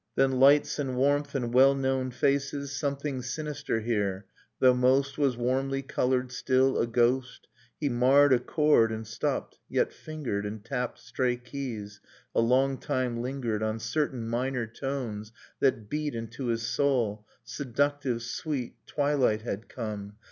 Then lights and warmth and well known faces Something sinister here ... though most Was warmly colored, still, — a ghost ... He marred a chord and stopped ... yet fingered And tapped stray keys, a long time lingered On certain minor tones, that beat Into his soul, — seductive, sweet. Twilight had come.